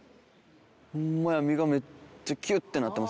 ホンマや身がめっちゃキュってなってますね。